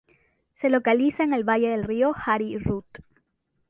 Se localiza en el valle del río Hari Rud.